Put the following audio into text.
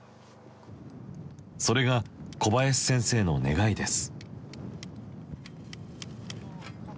それが小林先生の願いです。